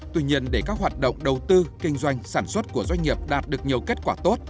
tuy nhiên để các hoạt động đầu tư kinh doanh sản xuất của doanh nghiệp đạt được nhiều kết quả tốt